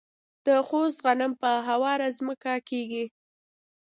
د خوست غنم په هواره ځمکه کیږي.